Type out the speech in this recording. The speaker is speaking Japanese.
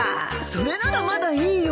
それならまだいいよ。